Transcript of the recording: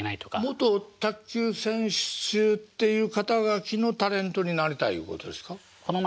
元卓球選手っていう肩書のタレントになりたいいうことですか？